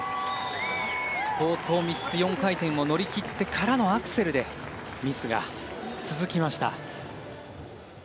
冒頭３つ、４回転を乗り切ってからのアクセルでミスが続きました。